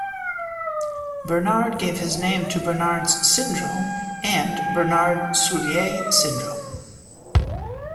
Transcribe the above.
Bernard gave his name to Bernard's syndrome and Bernard-Soulier syndrome.